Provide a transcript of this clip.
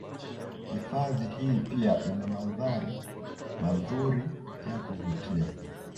Hifadhi hii pia ina mandhari mazuri ya kuvutia